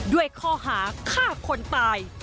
ด้วยข้อหาฆ่าคนตาย